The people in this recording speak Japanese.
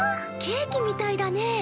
ケーキみたいだね。